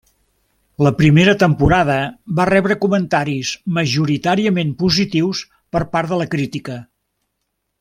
La primera temporada va rebre comentaris majoritàriament positius per part de la crítica.